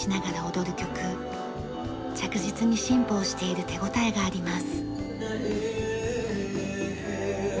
着実に進歩をしている手応えがあります。